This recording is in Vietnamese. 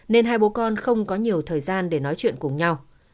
nên hai bố con không có nhiều thời gian để nói chuyện cùng nhau